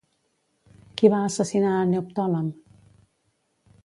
Qui va assassinar a Neoptòlem?